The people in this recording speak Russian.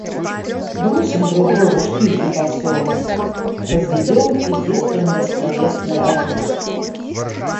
Бросим друг другу шпильки подсовывать, разведем изысканный словесный ажур.